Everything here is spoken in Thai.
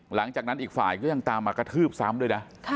หลังจากนั้นอีกฝ่ายก็ยังตามมากระทืบซ้ำด้วยนะ